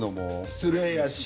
失礼やし。